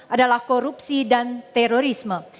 adalah korupsi dan terorisme